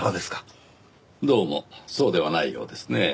どうもそうではないようですねぇ。